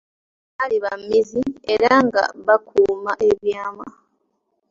Baali ba mmizi era nga bakuuma ebyama.